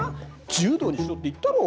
柔道にしろって言ったろ！